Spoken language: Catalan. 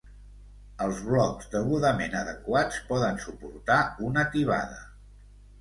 Els blocs degudament adequats poden suportar una tibada.